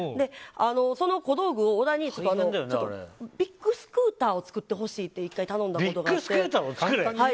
その小道具で小田に、ちょっとビッグスクーターを作ってほしいって１回、頼んだことがあって。